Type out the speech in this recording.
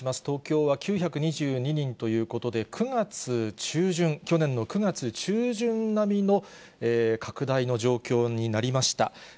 東京は９２２人ということで、９月中旬、去年の９月中旬並みの拡大の状況になりました。